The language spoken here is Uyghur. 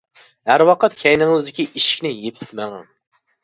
ھەر ۋاقىت كەينىڭىزدىكى ئىشىكنى يېپىپ مېڭىڭ.